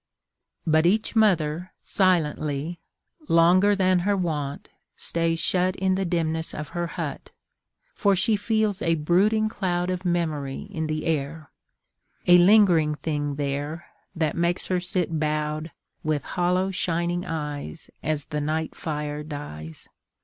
But each mother, silently, Longer than her wont stays shut in the dimness of her hut, For she feels a brooding cloud of memory in the air, A lingering thing there that makes her sit bowed With hollow shining eyes, as the night fire dies.